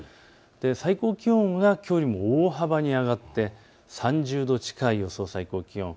最高気温がきょうよりも大幅に上がって３０度近い予想最高気温。